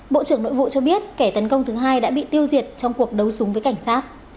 bộ trưởng nội vụ cho biết kẻ tấn công thứ hai đã bị tiêu diệt trong cuộc đấu súng với cảnh sát